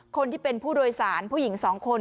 คนที่เป็นผู้โดยสารผู้หญิง๒คน